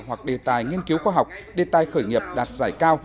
hoặc đề tài nghiên cứu khoa học đề tài khởi nghiệp đạt giải cao